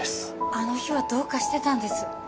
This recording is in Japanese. あの日はどうかしてたんです